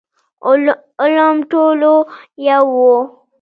علوم ټول يو وو.